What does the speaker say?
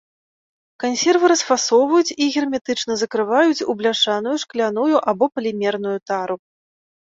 Кансервы расфасоўваюць і герметычна закрываюць у бляшаную, шкляную або палімерную тару.